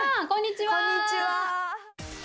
こんにちは！